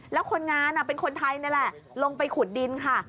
แล้วคนงานเป็นคนไทยนี่แหละลงไปขุดดินค่ะ